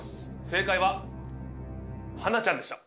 正解ははなちゃんでした